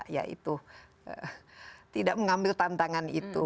ya itu tidak mengambil tantangan itu